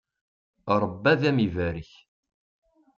Rebbi ad am-ibarek.